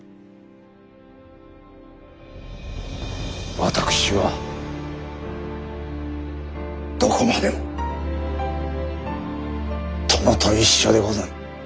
私はどこまでも殿と一緒でござる。